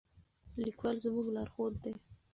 لیکوال زموږ لارښود دی.